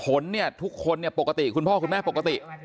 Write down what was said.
ผลทุกคนปกติคุณพ่อคุณแม่ปกติ